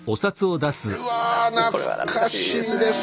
うわ懐かしいですね。